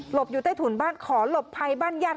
อยู่ใต้ถุนบ้านขอหลบภัยบ้านญาติ